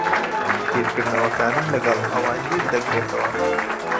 بیرکردنەوەکانم لەگەڵ ئەوان یەک دەگرێتەوە.